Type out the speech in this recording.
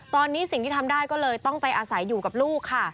ตอนนี้สิ่งที่ทำได้ก็เลยต้องไปอาศัยอยู่กับลูกค่ะ